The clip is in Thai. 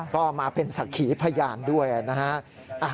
ก็มาเป็นสักขีพยานด้วยนะฮะ